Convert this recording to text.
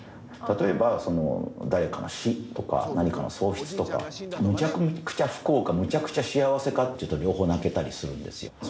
例えば、誰かの死とか、何かの喪失とか、むちゃくちゃ不幸か、むちゃくちゃ幸せかっていうと両方泣けたりするんですよ。